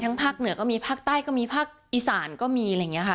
ทั้งภาคเหนือก็มีภาคใต้ก็มีภาคอีสานก็มี